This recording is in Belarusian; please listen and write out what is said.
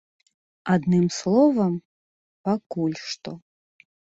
Адным словам, пакуль што.